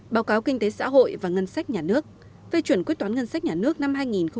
báo cáo kinh tế xã hội và ngân sách nhà nước phê chuẩn quyết toán ngân sách nhà nước năm hai nghìn một mươi bảy